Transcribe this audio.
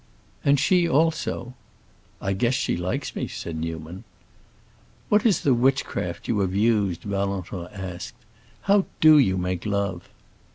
"And she also?" "I guess she likes me," said Newman. "What is the witchcraft you have used?" Valentin asked. "How do you make love?"